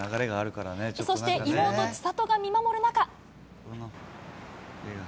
そして、妹、千怜が見守る中。